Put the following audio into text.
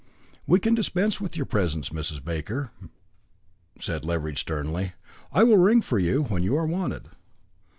"We can dispense with your presence, Mrs. Baker," said Leveridge sternly. "I will ring for you when you are wanted."